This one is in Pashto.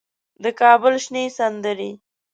د کابل شنې سندرې